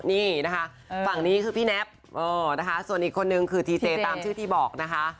นี่นะคะฝั่งนี้คือพี่แน็บนะคะส่วนอีกคนนึงคือทีเจตามชื่อที่บอกนะคะ